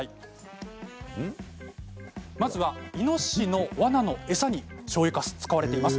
まずはイノシシのわなの餌にしょうゆかすが使われています。